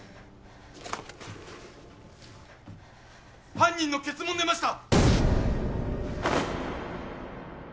犯人の血紋出ました！